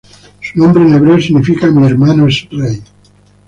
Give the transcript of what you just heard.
Su nombre en hebreo significa "mi hermano es rey".